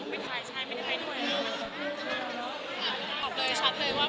ก็เปิดแบบนี้เหมือนว่าเดี๋ยวจะเป็นไฟล์ใช่เป็นไฟล์ทัวร์